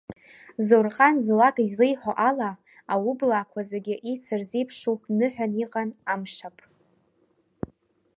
Заурҟан Золак излеиҳәо ала, аублаақуа зегьы еицырзеиԥшу ныҳәан иҟан амшаԥ.